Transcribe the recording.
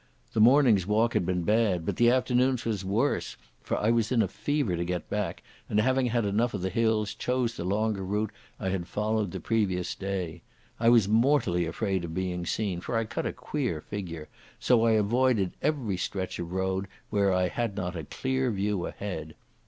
The morning's walk had been bad, but the afternoon's was worse, for I was in a fever to get back, and, having had enough of the hills, chose the longer route I had followed the previous day. I was mortally afraid of being seen, for I cut a queer figure, so I avoided every stretch of road where I had not a clear view ahead.